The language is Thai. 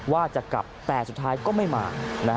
ว่าจะกลับแต่สุดท้ายก็ไม่มา